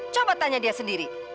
coba tanya dia sendiri